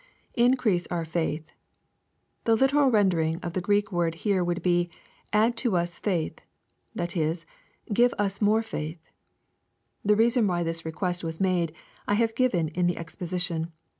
[Increctse our faith.] The literal rendering of the Q reek word here would be, " add to us faith," — ^that is, " give us more faith." The reason why this request was made, I have given in the expo sition.